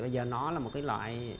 bây giờ nó là một cái loại